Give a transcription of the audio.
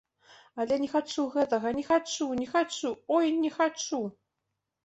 Але не хачу гэтага, не хачу, не хачу, ой не хачу!